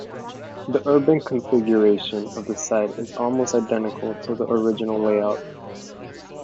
The urban configuration of the site is almost identical to the original layout.